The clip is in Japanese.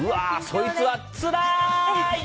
そいつはつらーい！